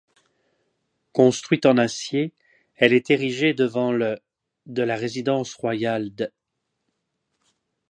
Construite en acier, elle est érigée devant le de la résidence royale d'.